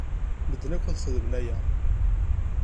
Medden akk ad xedmen aya.